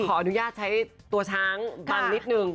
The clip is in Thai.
ขออนุญาตใช้ตัวช้างบังนิดนึง